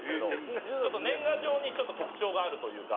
年賀状にちょっと特徴があるというか。